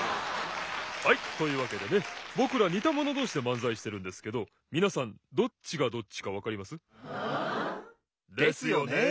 はいというわけでねぼくらにたものどうしでまんざいしてるんですけどみなさんどっちがどっちかわかります？ですよね？